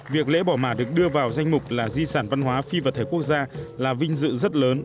việc lễ bỏ mả được đưa vào danh mục là di sản văn hóa phi vật thể quốc gia là vinh dự rất lớn